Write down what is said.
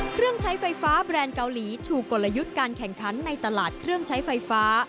เครื่องใช้ไฟฟ้าแบรนด์เกาหลีถูกกลยุทธ์การแข่งขันในตลาดเครื่องใช้ไฟฟ้า